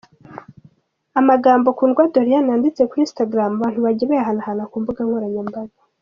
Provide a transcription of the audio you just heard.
Amagambo Kundwa Doriane yanditse kuri Instagram abantu bagiye bayahanahana ku mbuga nkoranyambaga.